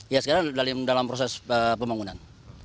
ya sekarang dalam proses pembangunan